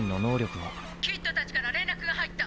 「キッドたちから連絡が入った！」